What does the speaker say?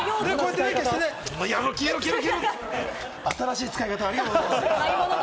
ってね、新しい使い方、ありがとうございます。